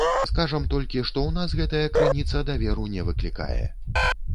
Скажам толькі, што ў нас гэтая крыніца даверу не выклікае.